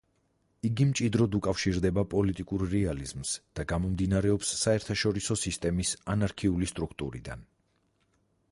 იგი მჭიდროდ უკავშირდება პოლიტიკურ რეალიზმს და გამომდინარეობს საერთაშორისო სისტემის ანარქიული სტრუქტურიდან.